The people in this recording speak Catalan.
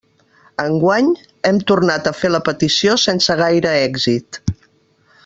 Enguany, hem tornat a fer la petició sense gaire èxit.